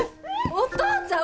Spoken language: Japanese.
お父ちゃん